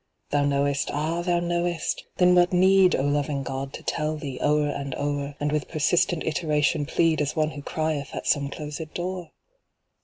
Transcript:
Thou knowest — ah, Thou knowest ! Then what need, O, loving God, to tell Thee o'er and o'er, And with persistent iteration plead As one who crieth at some closed door